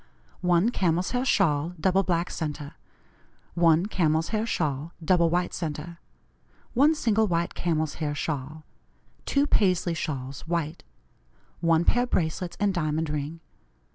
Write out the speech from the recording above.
"1 Camel's hair shawl, double black centre. 1 Camel's hair shawl, double white centre. 1 Single white camel's hair shawl. 2 Paisley shawls white. 1 Pair bracelets and diamond ring.